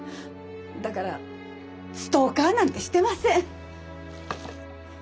だからストーカーなんてしてません。